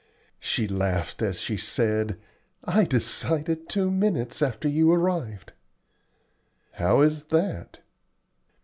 She laughed as she said, "I decided two minutes after you arrived." "How is that?"